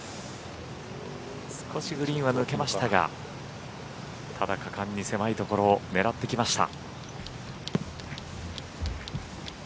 少しグリーンは抜けましたがただ、果敢に狭いところを狙ってきました。